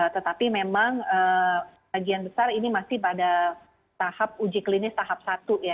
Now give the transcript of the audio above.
tetapi memang bagian besar ini masih pada tahap uji klinis tahap satu ya